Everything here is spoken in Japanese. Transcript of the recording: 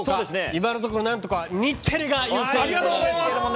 今のところ、なんとか日テレが優勢です。